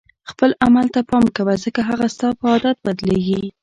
خپل عمل ته پام کوه ځکه هغه ستا په عادت بدلیږي.